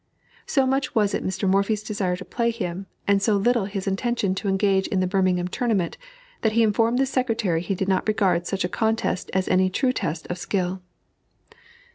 So much was it Mr. Morphy's desire to play him, and so little his intention to engage in the Birmingham Tournament, that he informed the secretary he did not regard such a contest as any true test of skill.